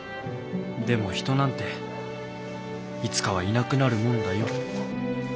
でも人なんていつかはいなくなるもんだよ。